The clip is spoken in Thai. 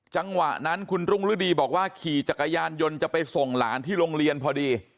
จังหวะนั้นคุณรุ่งฤดีบอกว่าขี่จักรยานยนต์จะไปส่งหลานที่โรงเรียนพอดี